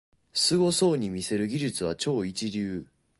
すごそうに見せる技術は超一流